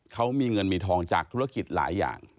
เขามีเงินมีทองจากธุรกิจหลายอย่าง